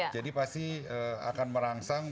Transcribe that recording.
jadi pasti akan merangsang